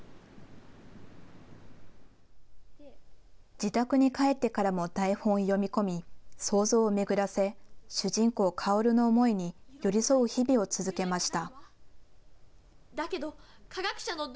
自宅に帰ってからも台本を読み込み、想像を巡らせ、主人公、薫の思いに寄り添う日々を続けました。